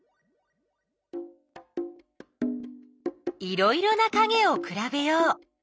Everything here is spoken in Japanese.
いろいろなかげをくらべよう！